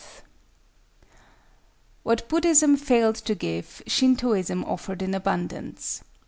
] What Buddhism failed to give, Shintoism offered in abundance.